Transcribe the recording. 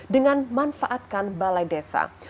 dengan manfaatkan balai desa